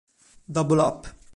Double Up